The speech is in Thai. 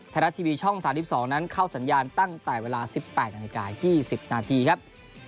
ไทยรัฐทีวีช่อง๓๒นั้นเข้าสัญญาณตั้งแต่เวลา๑๘นาฬิกา๒๐นาทีครับ